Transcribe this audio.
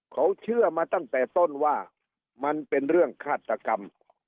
เขาเชื่อมาตั้งแต่ต้นว่ามันเป็นเรื่องฆาตกรรม